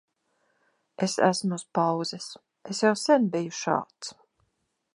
Es esmu uz pauzes. Es jau sen biju šāds.